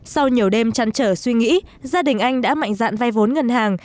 sau nhiều đêm trăn trở suy nghĩ gia đình anh đã mạnh dạn vai vốn ngân hàng